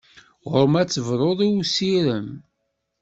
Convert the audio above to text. Ɣur-m ad tebruḍ i usirem!